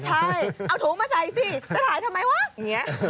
ใช่เอาถุงมาใส่สิจะถ่ายทำไมวะอย่างนี้